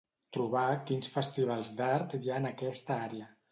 Trobar quins festivals d'art hi ha en aquesta àrea.